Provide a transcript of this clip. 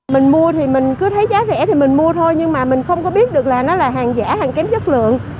mình mua thì mình cứ thấy giá rẻ thì mình mua thôi nhưng mà mình không có biết được là nó là hàng giả hàng kém chất lượng